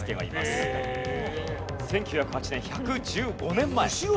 １９０８年１１５年前。